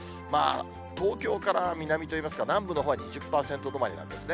東京から南といいますか、南部のほうは２０％止まりなんですね。